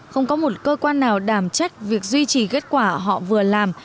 không có một cơ quan nào đàm chách việc duy trì kết quả họ vừa làm